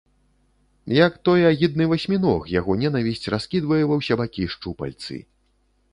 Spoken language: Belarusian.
Як той агідны васьміног, яго нянавісць раскідвае ва ўсе бакі шчупальцы.